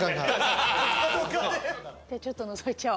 じゃあちょっとのぞいちゃおう。